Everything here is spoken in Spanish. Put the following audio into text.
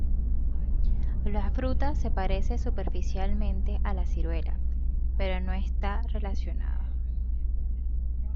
La fruta se parece superficialmente a la ciruela, pero no está relacionada.